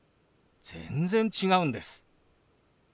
全然違うんです。